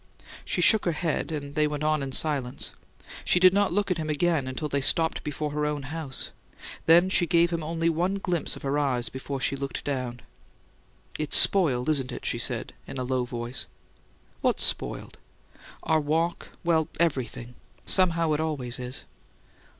She shook her head, and they went on in silence; she did not look at him again until they stopped before her own house. Then she gave him only one glimpse of her eyes before she looked down. "It's spoiled, isn't it?" she said, in a low voice. "What's 'spoiled?'" "Our walk well, everything. Somehow it always is."